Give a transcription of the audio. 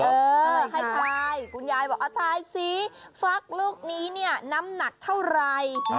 ให้ทายคุณยายบอกเอาทายสิฟักลูกนี้เนี่ยน้ำหนักเท่าไร